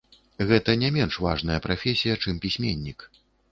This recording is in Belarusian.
Гэта не менш важная прафесія, чым пісьменнік.